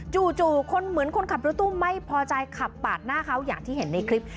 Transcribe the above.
คนเหมือนคนขับรถตู้ไม่พอใจขับปาดหน้าเขาอย่างที่เห็นในคลิป